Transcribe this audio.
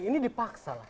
ini dipaksa lah